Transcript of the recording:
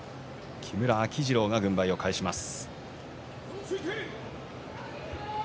木村秋治郎が軍配を返します。